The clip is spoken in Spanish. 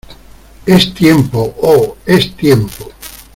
¡ Es tiempo! ¡ oh !¡ es tiempo !